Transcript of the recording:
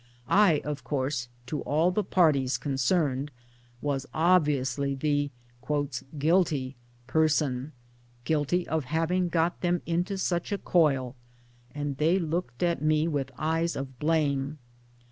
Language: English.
I, of course, to all the parties concerned was obviously the " guilty " person guilty of having got them into such a coil and they looked at me with eyes of blame.